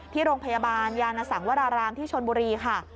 ที่โรงพยาบาลน้าศังวรรารางค์ที่ชนบุรีค่ะ